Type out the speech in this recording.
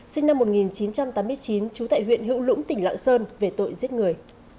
sinh năm một nghìn chín trăm tám mươi chín trú tại huyện hữu lũng tỉnh lạng sơn về tội giết người